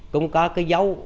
cũng có cái dấu